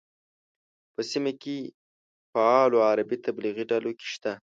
په سیمه کې فعالو عربي تبلیغي ډلو کې شته.